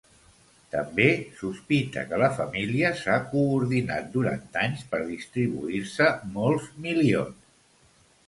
També sospita que la família s'ha coordinat durant anys per distribuir-se molts milions.